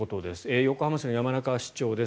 横浜市の山中市長です。